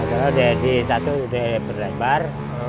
kalau di satu udah lebar